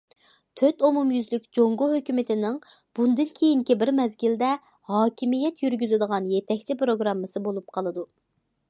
« تۆت ئومۇميۈزلۈك» جۇڭگو ھۆكۈمىتىنىڭ بۇنىڭدىن كېيىنكى بىر مەزگىلىدە ھاكىمىيەت يۈرگۈزىدىغان يېتەكچى پىروگراممىسى بولۇپ قالىدۇ.